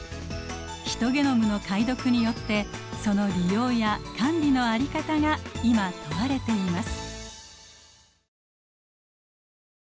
ヒトゲノムの解読によってその利用や管理の在り方が今問われています。